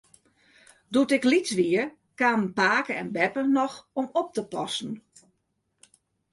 Doe't ik lyts wie, kamen pake en beppe noch om op te passen.